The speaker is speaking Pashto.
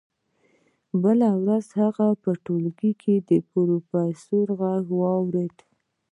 بله ورځ هغه په ټولګي کې د پروفیسور غږ واورېد